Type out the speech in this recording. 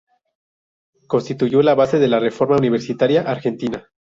Constituyó la base de la reforma universitaria argentina.